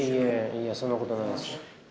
いいやそんなことないですよ。